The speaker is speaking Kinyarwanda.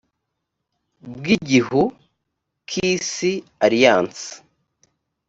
bw igihu k isi alliance